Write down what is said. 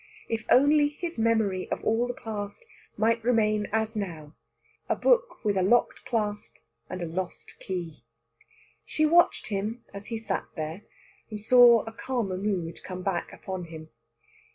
If only his memory of all the past might remain as now, a book with a locked clasp and a lost key! She watched him as he sat there, and saw a calmer mood come back upon him.